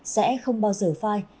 sẽ không bao giờ phai